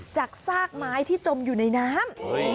ซากไม้ที่จมอยู่ในน้ำ